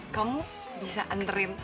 kamu bisa anterin